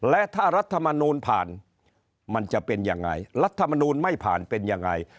และถ้ารัฐมนูลผ่านมันจะเป็นยังไงรัฐมนูลไม่ผ่านเป็นยังไง